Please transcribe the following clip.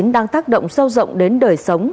đang tác động sâu rộng đến đời sống